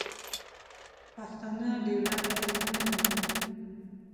پښتانه ډیورنډ کرښه نه مني.